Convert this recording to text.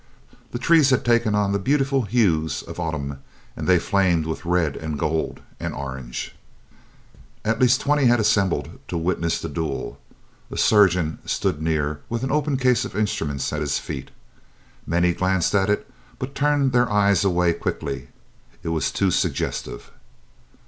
The trees had taken on the beautiful hues of autumn, and they flamed with red and gold and orange. At least twenty had assembled to witness the duel. A surgeon stood near with an open case of instruments at his feet. Many glanced at it, but turned their eyes away quickly. It was too suggestive.